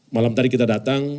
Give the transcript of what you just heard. malam tadi kita datang